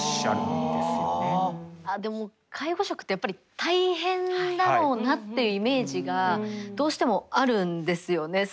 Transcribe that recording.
でも介護職ってやっぱり大変だろうなっていうイメージがどうしてもあるんですよね。